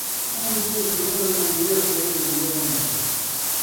له لیرې غږونه راتلل.